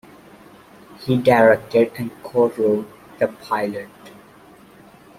He directed and co-wrote the pilot.